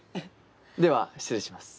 では失礼します。